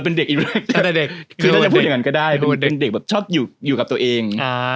เป็นเด็กอินเทอร์เวิร์ดถ้าจะพูดอย่างนั้นก็ได้เป็นเด็กชอบอยู่กับตัวเอง